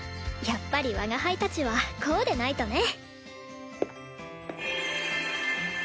やっぱり我が輩たちはこうでないとね。